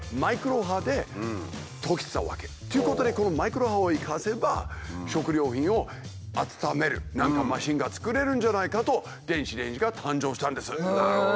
何だろう？とということでこのマイクロ波を生かせば食料品を温める何かマシンが作れるんじゃないかと電子レンジが誕生したんです。